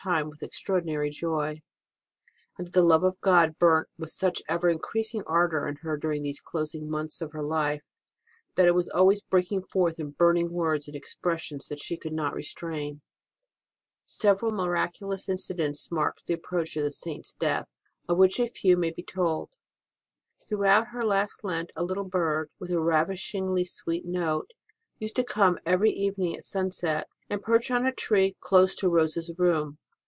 MARY DIED 17! time with extraordinary joy, and that the love of God burnt with such ever increasing ardour in her during these closing months of her life that it was always breaking forth in burning words and expressions that she could not restrain. Several miraculous incidents marked the ap proach of the Saint s death, of which a few may be told. Throughout her last Lent a little bird, with a ravishingly sweet note, used to come every evening at sunset, and perch on a tree close to Rose s room.